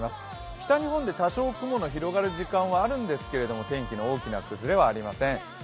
北日本で多少雲の広がる時間はあるんですけど天気の大きな崩れはありません。